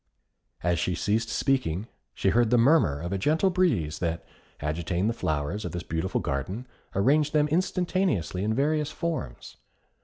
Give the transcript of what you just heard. As she ceased speaking, she heard the murmur of a gentle breeze that, agitating the flowers of this beautiful garden, arranged them instantaneously in various forms.